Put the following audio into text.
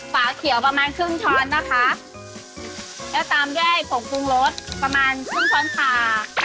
ฝาเขียวประมาณครึ่งช้อนนะคะแล้วตามแยกผงปรุงรสประมาณครึ่งช้อนขา